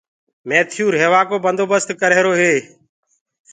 ميٿيو ريهوآ ڪو بندوبست ڪرريهرو هي